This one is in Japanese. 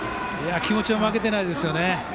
気持ちは負けていないですよね。